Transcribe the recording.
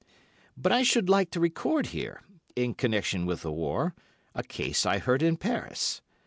But I should like to record here, in connection with the war, a case I heard in Paris.